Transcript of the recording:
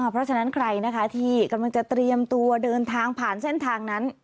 เพราะฉะนั้นใครนะคะที่กำลังจะเตรียมตัวเดินทางผ่านเส้นทางนั้น